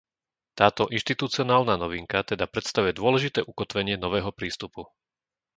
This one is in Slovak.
Táto inštitucionálna novinka teda predstavuje dôležité ukotvenie nového prístupu.